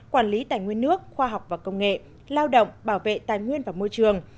quản lý tài nguyên nước khoa học và công nghệ lao động bảo vệ tài nguyên và môi trường